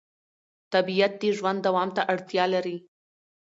طبیعت د ژوند دوام ته اړتیا لري